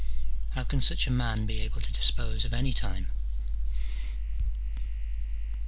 How can snch a man be able to dispose of any time